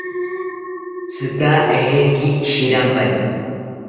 ¿Tzika ejeki shirampari?